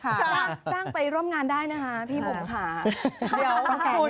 จ้างไปร่วมงานได้นะคะพี่ผมค่ะ